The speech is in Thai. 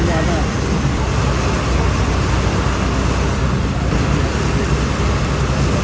แม้รอบค่อนกลาง